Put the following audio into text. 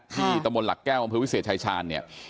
ตำบลหลักแก้วอำเภอวิเศษชายชาญเนี่ย